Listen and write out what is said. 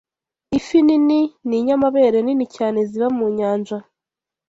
Ifi nini ninyamabere nini cyane ziba mu nyanja.